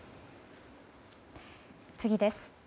次です。